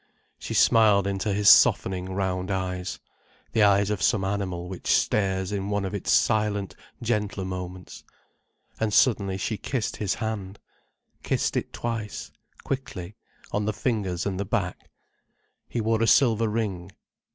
She smiled into his softening round eyes, the eyes of some animal which stares in one of its silent, gentler moments. And suddenly she kissed his hand, kissed it twice, quickly, on the fingers and the back. He wore a silver ring.